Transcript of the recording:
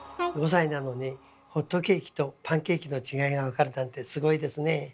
５歳なのにホットケーキとパンケーキの違いが分かるなんてすごいですね。